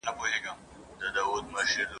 که نجوني درس ووايي، هېواد به جوړ سي.